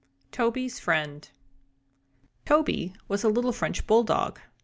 TOBY'S FRIEND Toby was a little French bulldog.